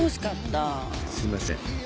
すいません。